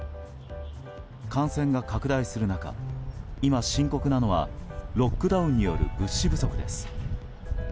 感染が拡大する中、今深刻なのはロックダウンによる物資不足です。